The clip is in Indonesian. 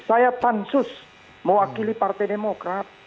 saya pansus mewakili partai demokrat